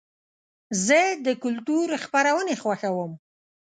زه د کلتور خپرونې خوښوم.